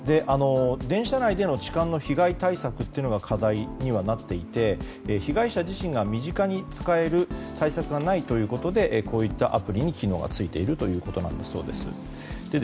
電車内の痴漢対策が課題にはなっていて被害者自身が身近に使える対策がないということでこういったアプリに機能がついているそうです。